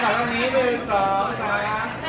ขอบคุณแม่ก่อนต้องกลางนะครับ